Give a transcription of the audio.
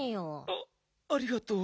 あありがとう。